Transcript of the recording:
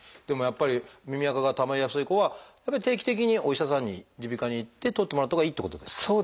でもやっぱり耳あかがたまりやすい子はやっぱり定期的にお医者さんに耳鼻科に行って取ってもらったほうがいいってことですか？